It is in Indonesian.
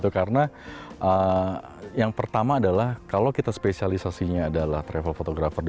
karena yang pertama adalah kalau kita spesialisasinya adalah travel photographer